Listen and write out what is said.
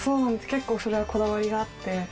結構それはこだわりがあって。